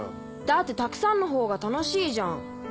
だってたくさんのほうが楽しいじゃん。